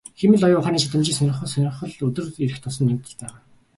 Хиймэл оюун ухааны чадамжийг сонирхох сонирхол өдөр ирэх тусам нэмэгдэж байгаа.